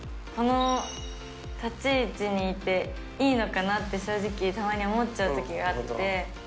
この立ち位置にいていいのかなって正直、たまに思っちゃうときがあって。